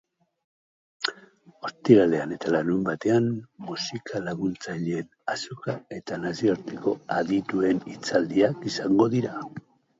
Ostiralean eta larunbatean, musika laguntzaileen azoka eta nazioarteko adituen hitzaldiak izango dira.